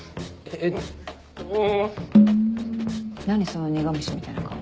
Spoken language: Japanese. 何その苦虫みたいな顔。